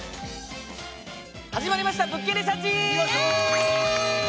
始まりました「物件リサーチ」！